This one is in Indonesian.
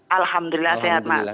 alhamdulillah sehat mas